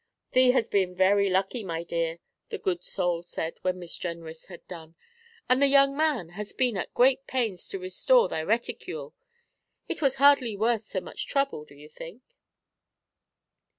'Thee has been very lucky, my dear,' the good soul said when Miss Jenrys had done, 'and the young man has been at great pains to restore thy reticule. It was hardly worth so much trouble, do you think?'